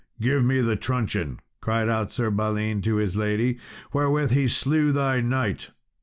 "Give me the truncheon," cried out Sir Balin to his lady, "wherewith he slew thy knight."